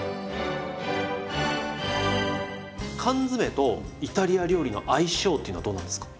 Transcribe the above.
缶詰とイタリア料理の相性っていうのはどうなんですか？